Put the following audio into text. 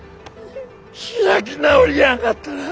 開き直りやがったな！